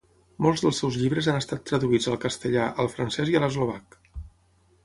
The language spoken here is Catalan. Molts dels seus llibres han estat traduïts al castellà, al francès i a l'eslovac.